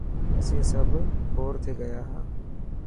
اسين سڀ بور ٿي گيا هان.